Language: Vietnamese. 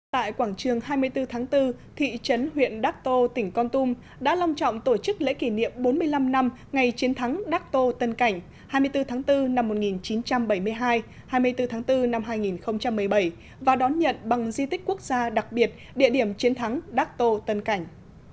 tại quảng trường hai mươi bốn tháng bốn thị trấn huyện đắc tô tỉnh con tum đã long trọng tổ chức lễ kỷ niệm bốn mươi năm năm ngày chiến thắng đắc tô tân cảnh hai mươi bốn tháng bốn năm một nghìn chín trăm bảy mươi hai hai mươi bốn tháng bốn năm hai nghìn một mươi bảy và đón nhận bằng di tích quốc gia đặc biệt địa điểm chiến thắng đắc tô tân cảnh